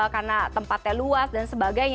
karena tempatnya luas dan sebagainya